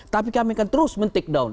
tapi kami akan terus mentakedown